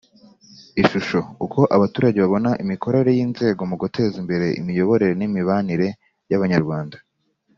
Ishusho Uko abaturage babona imikorere y inzego mu guteza imbere imiyoborere n imibanire y abanyarwanda